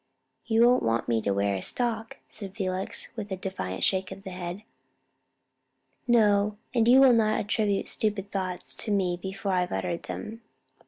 "You won't want me to wear a stock," said Felix, with a defiant shake of the head. "No; and you will not attribute stupid thoughts to me before I've uttered them."